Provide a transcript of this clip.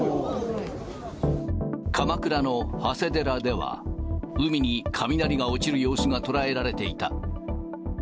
鎌倉の長谷寺では、海に雷が落ちる様子が捉えられていた。